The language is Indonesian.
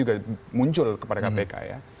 juga muncul kepada kpk ya